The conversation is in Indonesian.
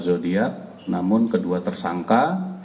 zodiac namun kedua tersangka